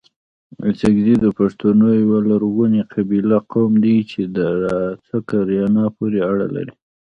اڅکزي دپښتونو يٶه لرغوني قبيله، قوم دئ چي د ارڅک اريانو پوري اړه لري